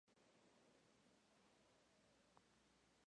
Tras su muerte, su joven viuda quiso tomarse venganza sobre los frisones.